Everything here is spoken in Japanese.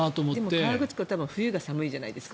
でも、河口湖は冬が寒いじゃないですか。